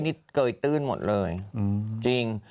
เกลืออยู่ตื้นหมดเลยจริง